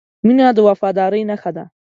• مینه د وفادارۍ نښه ده.